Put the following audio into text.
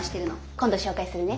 今度紹介するね。